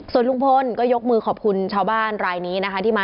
ส่วนลุงพลก็ยกมือขอบคุณชาวบ้านรายนี้นะคะที่มา